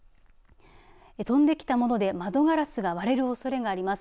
飛んできたもので窓ガラスが割れるおそれがあります。